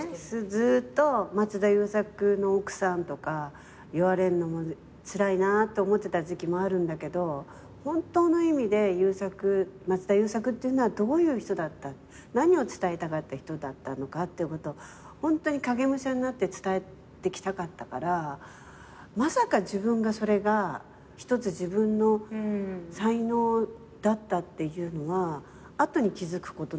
ずっと松田優作の奥さんとかいわれるのつらいなって思ってた時期もあるんだけど本当の意味で優作松田優作っていうのはどういう人だった何を伝えたかった人だったのかってホントに影武者になって伝えてきたかったからまさか自分がそれが一つ自分の才能だったっていうのは後に気付くことなんだけど。